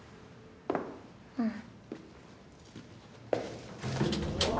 うん。